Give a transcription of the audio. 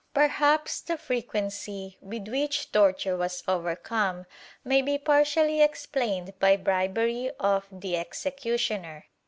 ^ Perhaps the frequency with which torture was overcome may be partially explained by bribery of the executioner.